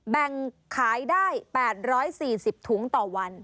แบ่งขายได้๘๔๐ถุงต่อวัน